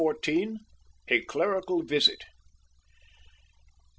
A CLERICAL VISIT.